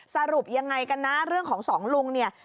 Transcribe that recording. สรุปยังไงกันนะเรื่องของสองลุงเนี่ย